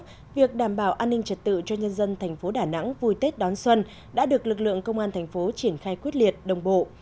vì vậy việc đảm bảo an ninh trật tự cho nhân dân thành phố đà nẵng vui tết đón xuân đã được lực lượng công an thành phố triển khai quyết liệt đồng bộ